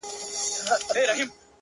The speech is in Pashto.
• تور یم ـ موړ یمه د ژوند له خرمستیو ـ